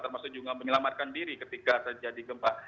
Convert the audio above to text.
termasuk juga menyelamatkan diri ketika terjadi gempa